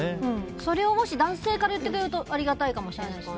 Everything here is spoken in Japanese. それを男性から言ってくれるとありがたいかもしれないですね。